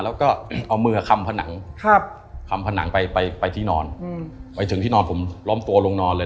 แล้วก็เอามือคำผนังคำผนังไปไปที่นอนไปถึงที่นอนผมล้อมตัวลงนอนเลย